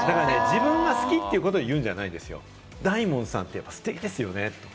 自分が好きということを出すわけじゃないんですよ、大門さんってステキですよねとか。